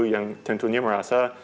yang tentunya merasa